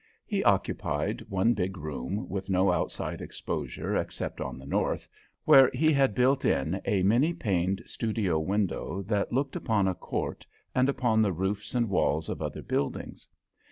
He occupied one big room with no outside exposure except on the north, where he had built in a many paned studio window that looked upon a court and upon the roofs and walls of other buildings.